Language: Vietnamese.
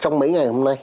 trong mấy ngày hôm nay